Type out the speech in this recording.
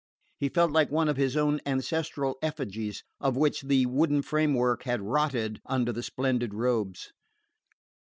He felt like one of his own ancestral effigies, of which the wooden framework had rotted under the splendid robes.